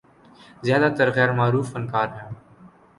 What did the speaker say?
زیادہ تر غیر معروف فنکار ہیں۔